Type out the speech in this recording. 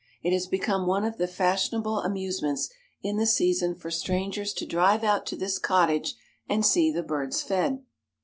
It has become one of the fashionable amusements in the season for strangers to drive out to this cottage and see the birds fed.